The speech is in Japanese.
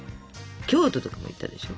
京都とかも行ったでしょ？